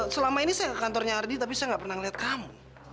selama ini saya kantornya ardi tapi saya nggak pernah melihat kamu